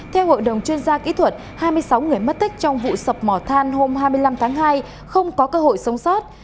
theo hội đồng chuyên gia kỹ thuật hai mươi sáu người mất tích trong vụ sập mỏ than hôm hai mươi năm tháng hai không có cơ hội sống sót